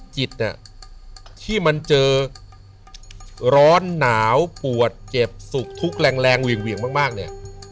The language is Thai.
จิตที่มันเจอร้อนหนาวปวดเจ็บสุขทุกข์แรงเหวี่ยงมากเนี่ย